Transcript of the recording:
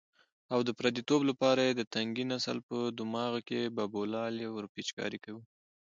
او د پردیتوب لپاره یې د تنکي نسل په دماغ کې بابولالې ورپېچکاري کوو.